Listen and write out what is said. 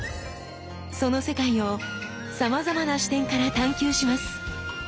その世界をさまざまな視点から探究します。